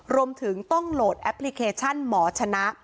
รวมถึงต้องโหลดแอปพลิเคชันหมอชนะ